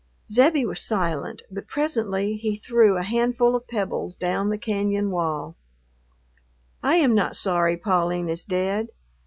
Zebbie was silent, but presently he threw a handful of pebbles down the cañon wall. "I am not sorry Pauline is dead.